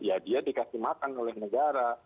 ya dia dikasih makan oleh negara